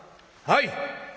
「はい！」。